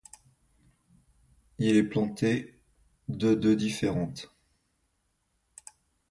Il est planté de de différentes.